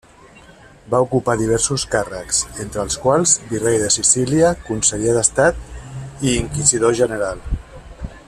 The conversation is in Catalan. Va ocupar diversos càrrecs, entre els quals virrei de Sicília, conseller d'Estat i inquisidor general.